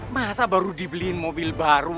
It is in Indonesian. masa baru dibeliin mobil baru